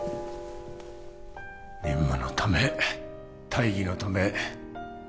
任務のため大義のため